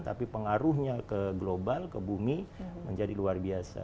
tapi pengaruhnya ke global ke bumi menjadi luar biasa